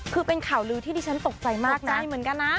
คือเป็นข่าวลือที่ดิฉันตกใจมากนะเหมือนกันนะ